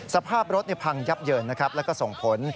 สภาพรถพังยับเยินนะครับแล้วก็ส่งผล